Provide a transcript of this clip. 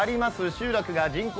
集落が人口